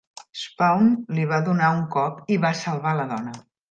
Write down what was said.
Spawn li va donar un cop i va salvar la dona.